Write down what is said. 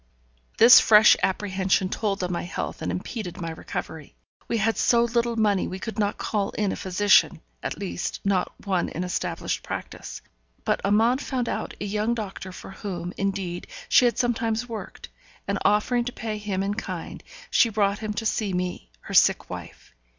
This fresh apprehension told on my health and impeded my recovery. We had so little money we could not call in a physician, at least, not one in established practice. But Amante found out a young doctor for whom, indeed, she had sometimes worked; and offering to pay him in kind, she brought him to see me, her sick wife.